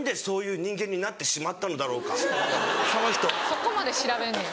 そこまで調べんねや。